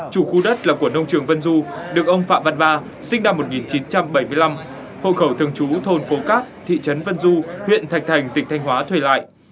chủ khu đất là của nông trường vân du được ông phạm văn ba sinh năm một nghìn chín trăm bảy mươi năm hộ khẩu thường trú thôn phố cát thị trấn vân du huyện thạch thành tỉnh thanh hóa thuê lại